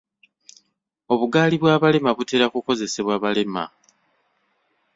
Obugaali bw'abalema butera kukozesebwa balema.